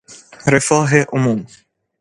رفاه عموم